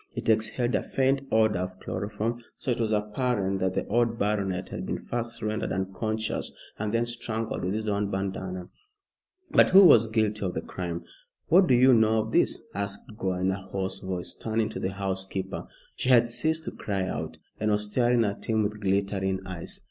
It exhaled a faint odor of chloroform, so it was apparent that the old baronet had been first rendered unconscious, and then strangled with his own bandana. But who was guilty of the crime? "What do you know of this?" asked Gore, in a hoarse voice, turning to the housekeeper. She had ceased to cry out, and was staring at him with glittering eyes.